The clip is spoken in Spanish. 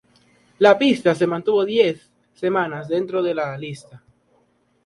La pista se mantuvo diez semanas dentro de la lista.